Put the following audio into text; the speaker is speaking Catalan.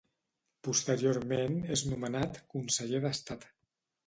Posteriorment és nomenat conseller d'Estat.